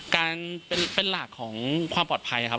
การเป็นหลักของความปลอดภัยครับ